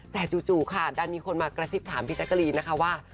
แต่จู่ค่ะดันมีคนมากระซิบถามพี่แจ๊กกะรีนนะคะว่า